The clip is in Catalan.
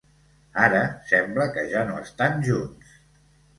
Ara sembla que ja no estan junts.